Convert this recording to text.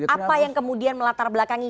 apa yang kemudian melatar belakangi